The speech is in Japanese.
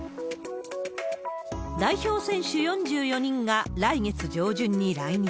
代表選手４４人が来月上旬に来日。